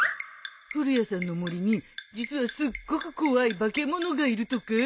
古谷さんの森に実はすっごく怖い化け物がいるとか？